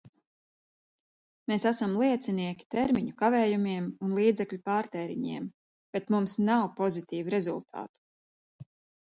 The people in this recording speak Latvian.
Mēs esam liecinieki termiņu kavējumiem un līdzekļu pārtēriņiem, bet mums nav pozitīvu rezultātu.